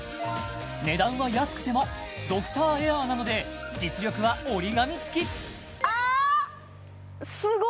値段は安くてもドクターエアなので実力は折り紙付きああっ！